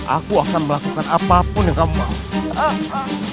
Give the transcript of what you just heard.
aku akan melakukan apapun yang kamu mau